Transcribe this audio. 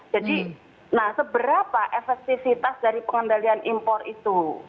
jadi nah seberapa efektivitas dari pengendalian impor itu